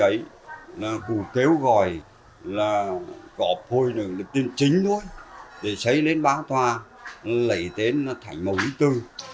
ấy cụ kêu gọi là cọp hồi này là tên chính thôi để xây lên báo tòa lấy tên thành mầu vĩ tư